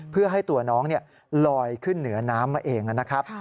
เพื่อให้ตัวน้องลอยขึ้นเหนือน้ำมาเองนะครับ